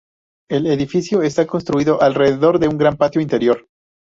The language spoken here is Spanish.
El edificio está construido alrededor de un gran patio interior.